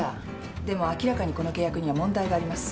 でも明らかにこの契約には問題があります。